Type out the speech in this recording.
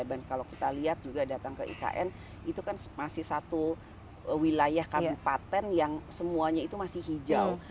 dan kalau kita lihat juga datang ke ikn itu kan masih satu wilayah kabupaten yang semuanya itu masih hijau